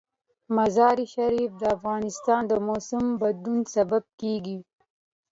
مزارشریف د افغانستان د موسم د بدلون سبب کېږي.